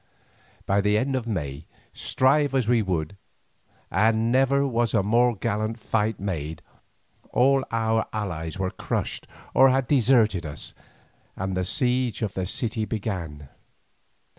By the month of May, strive as we would, and never was a more gallant fight made, all our allies were crushed or had deserted us, and the siege of the city began.